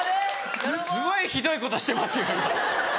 すごいひどいことしてますよ。